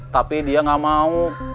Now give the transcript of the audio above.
tapi dia gak mau